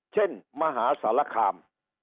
เช่นมหาสารคาม